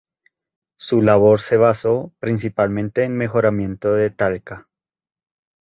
Su labor se basó principalmente en mejoramiento de Talca.